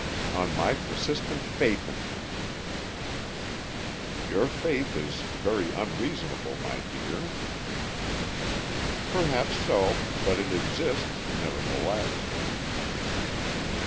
"On my persistent faith in him." "Your faith is very unreasonable, my dear." "Perhaps so, but it exists nevertheless."